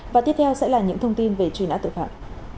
và tiếp theo sẽ là những thông tin về truy nã tội phạm